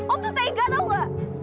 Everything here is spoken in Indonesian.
om tuh tega tau gak